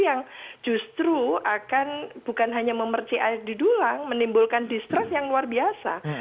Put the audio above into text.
yang justru akan bukan hanya memerci air di dulang menimbulkan distrust yang luar biasa